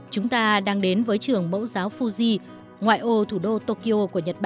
chúng ta đang đến với trường mẫu giáo fuji ngoại ô thủ đô tokyo